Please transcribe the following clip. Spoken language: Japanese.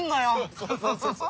そうそうそう。